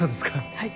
はい。